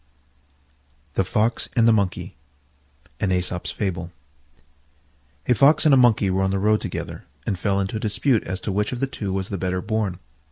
THE FOX AND THE MONKEY A Fox and a Monkey were on the road together, and fell into a dispute as to which of the two was the better born.